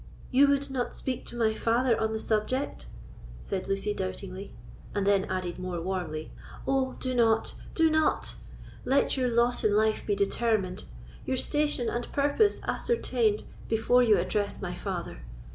"You would not speak to my father on the subject?" said Lucy, doubtingly; and then added more warmly: "Oh do not—do not! Let your lot in life be determined—your station and purpose ascertained, before you address my father.